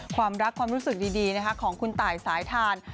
ความรักความรู้สึกดีของคุณตายสายทาน